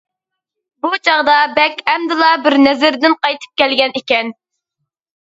بۇ چاغدا بەگ ئەمدىلا بىر نەزىردىن قايتىپ كەلگەن ئىكەن.